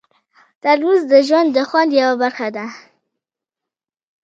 ترموز د ژوند د خوند یوه برخه ده.